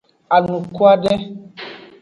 Anukwade.